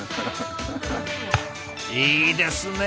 いいですね！